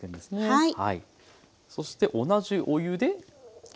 はい。